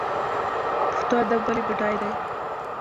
پښتو ادب ولې بډای دی؟